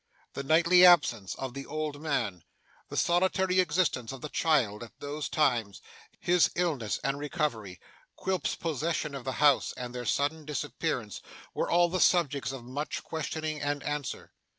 The nightly absence of the old man, the solitary existence of the child at those times, his illness and recovery, Quilp's possession of the house, and their sudden disappearance, were all the subjects of much questioning and answer.